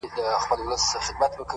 • زه درته څه ووايم،